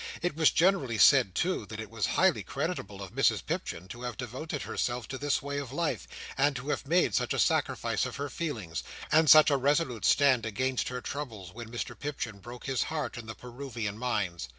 It was generally said, too, that it was highly creditable of Mrs Pipchin to have devoted herself to this way of life, and to have made such a sacrifice of her feelings, and such a resolute stand against her troubles, when Mr Pipchin broke his heart in the Peruvian mines.